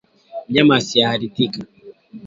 Mnyama asiyeathirika